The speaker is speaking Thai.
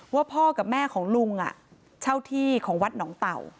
ว่าพ่อกับแม่ของลุงเช่าที่ของวัดหนองเต่า